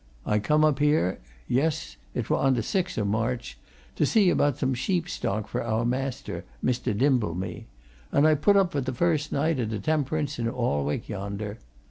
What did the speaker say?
I come up here yes, it were on t' sixth o' March to see about some sheep stock for our maister, Mr. Dimbleby, and I put up for t' first night at a temp'rance i' Alnwick yonder.